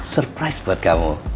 surprise buat kamu